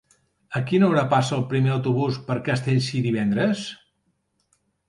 A quina hora passa el primer autobús per Castellcir divendres?